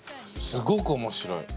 すごく面白い。